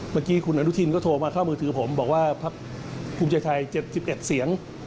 เมื่อกี้คุณอนุทินก็โทรมาเข้ามือถือผมบอกว่าพักภูมิใจไทย๗๑เสียง